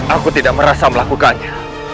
aku tidak merasa melakukannya